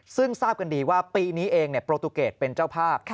ซึ่งทราบกันดีว่าปีนี้เองโปรตูเกตเป็นเจ้าภาพ